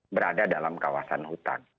berada dalam kawasan hutan